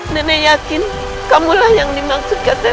nenek yakin kamulah yang dimaksudkan